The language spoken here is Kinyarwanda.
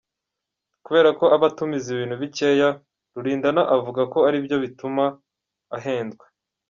Kubera ko aba atumiza ibintu bikeya, Rulindana avuga ko aribyo bituma ahendwa.